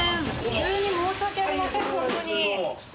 急に申し訳ありませんホントに。